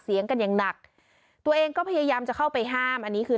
เสียงกันอย่างหนักตัวเองก็พยายามจะเข้าไปห้ามอันนี้คือ